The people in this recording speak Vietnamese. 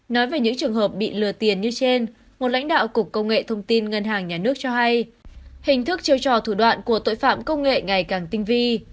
nói về những trường hợp bị lừa tiền như trên một lãnh đạo cục công nghệ thông tin ngân hàng nhà nước cho hay hình thức chiêu trò thủ đoạn của tội phạm công nghệ ngày càng tinh vi